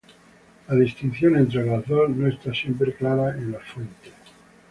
La distinción entre las dos no está siempre clara en las fuentes.